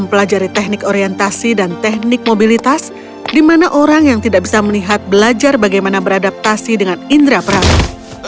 bagaimana orang yang tidak bisa melihat belajar bagaimana beradaptasi dengan indera perasaan